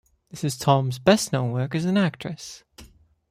This is Tom's best known work as an actress.